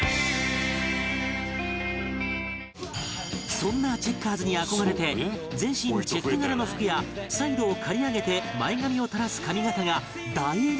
そんなチェッカーズに憧れて全身チェック柄の服やサイドを刈り上げて前髪を垂らす髪形が大流行！